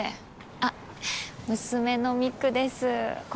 あっ娘の実玖です。